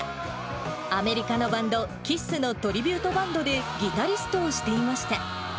アメリカのバンド、キッスのトリビュートバンドで、ギタリストをしていました。